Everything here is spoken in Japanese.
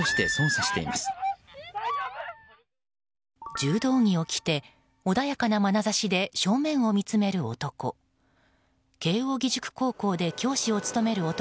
柔道着を着て穏やかなまなざしで正面を見つめる男。